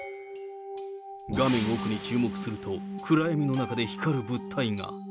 画面奥に注目すると、暗闇の中で光る物体が。